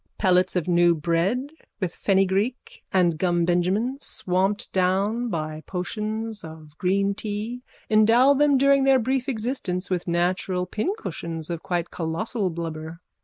Pellets of new bread with fennygreek and gumbenjamin swamped down by potions of green tea endow them during their brief existence with natural pincushions of quite colossal blubber.